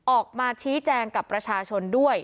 ออกมาชี้แจงกับประชาชนด้วย